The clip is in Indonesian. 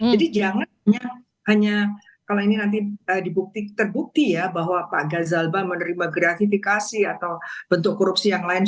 jadi jangan hanya kalau ini nanti terbukti ya bahwa pak gazalba menerima gratifikasi atau bentuk korupsi yang lain